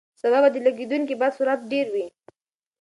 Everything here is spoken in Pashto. سبا به د لګېدونکي باد سرعت ډېر وي.